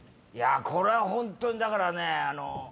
これはホントにだからねあの。